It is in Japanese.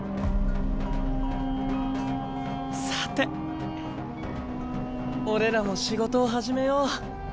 さて俺らも仕事を始めよう。